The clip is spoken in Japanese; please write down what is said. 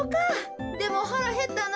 でもはらへったな。